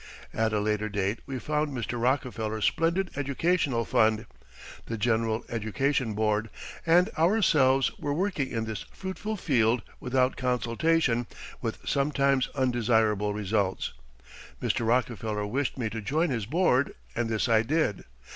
At a later date we found Mr. Rockefeller's splendid educational fund, The General Education Board, and ourselves were working in this fruitful field without consultation, with sometimes undesirable results. Mr. Rockefeller wished me to join his board and this I did.